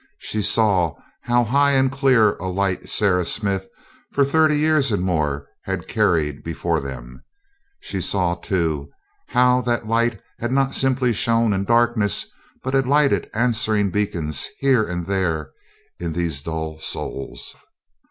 She saw how high and clear a light Sarah Smith, for thirty years and more, had carried before them. She saw, too, how that the light had not simply shone in darkness, but had lighted answering beacons here and there in these dull souls.